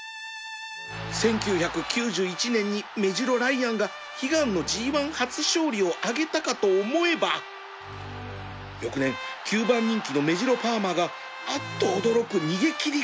１９９１年にメジロライアンが悲願の ＧⅠ 初勝利を挙げたかと思えば翌年９番人気のメジロパーマーがあっと驚く逃げ切り勝ち